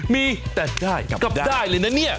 มีแต่ได้กลับได้